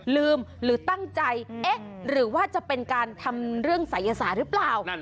หรือตั้งใจเอ๊ะหรือว่าจะเป็นการทำเรื่องศัยศาสตร์หรือเปล่า